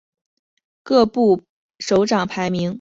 各部首长排名次序取决于各部成立的早晚。